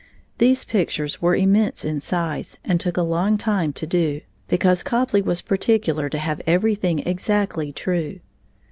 These pictures were immense in size and took a long time to do, because Copley was particular to have everything exactly true.